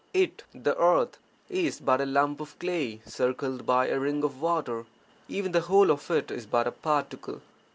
It (the earth) is but a lump of clay circled by a ring of water! Even the whole of it is but a particle.